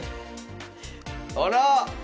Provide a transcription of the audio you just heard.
あら！